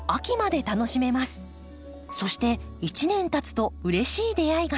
そして１年たつとうれしい出会いが。